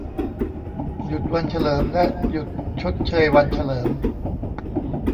หยุดวันเฉลิม และ หยุดชดเชยวันเฉลิม